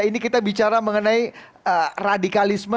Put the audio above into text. ini kita bicara mengenai radikalisme